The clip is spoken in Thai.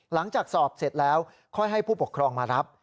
หลังจากสอบเสร็จแล้วค่อยให้ผู้ปกครองมารับ